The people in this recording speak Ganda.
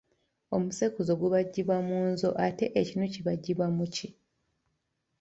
Omusekuzo gubajjibwa mu nzo ate ekinu kibajjibwa mu ki?